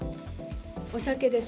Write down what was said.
お酒です。